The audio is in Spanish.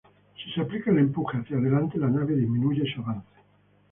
Si se aplica el empuje hacia adelante la nave disminuye su avance.